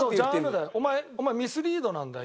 お前ミスリードなんだよ